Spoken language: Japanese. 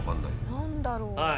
何だろう？